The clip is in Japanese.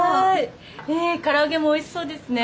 え唐揚げもおいしそうですね。